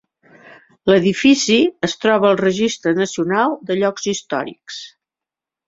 L'edifici es troba al registre nacional de llocs històrics.